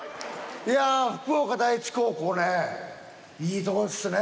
いや福岡第一高校ねいいとこですね